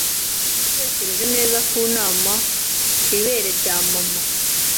Natekereje neza Kunama ku ibere rya mama